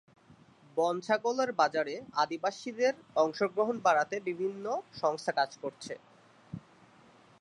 বনছাগলের বাজারে আদিবাসীদের অংশগ্রহণ বাড়াতে বিভিন্ন সংস্থা কাজ করছে।